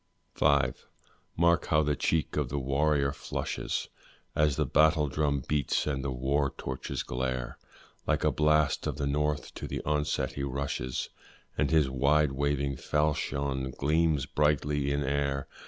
V. Mark how the cheek of the warrior flushes, As the battle drum beats and the war torches glare; Like a blast of the north to the onset he rushes, And his wide waving falchion gleams brightly in air.